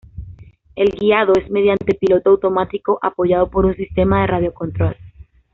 El guiado es mediante piloto automático apoyado por un sistema de radio control.